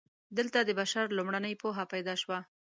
دلته د بشر لومړنۍ پوهه پیدا شوه.